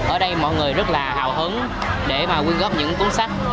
ở đây mọi người rất là hào hứng để mà quyên góp những cuốn sách